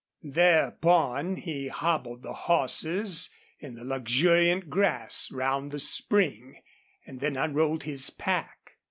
Thereupon he hobbled the horses in the luxuriant grass round the spring, and then unrolled his pack.